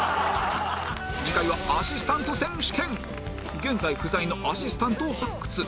次回はアシスタント選手権現在不在のアシスタントを発掘